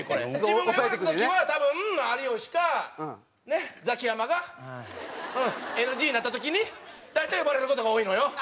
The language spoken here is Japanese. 自分が選ばれた時は多分有吉かザキヤマがＮＧになった時に大体呼ばれる事が多いのよ。